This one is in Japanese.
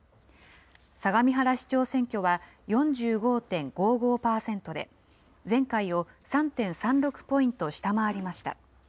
相模原市長選挙は４５．５５％で、前回を３．３６ポイント下回りました。